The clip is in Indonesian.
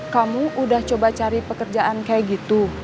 kamu udah coba cari pekerjaan kayak gitu